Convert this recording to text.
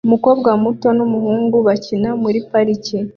Umukobwa muto n'umuhungu bakina muri parike